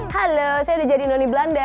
halo saya udah jadi noni belanda